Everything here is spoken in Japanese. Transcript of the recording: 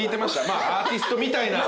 まあアーティストみたいな。